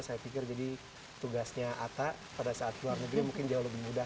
saya pikir jadi tugasnya atta pada saat luar negeri mungkin jauh lebih mudah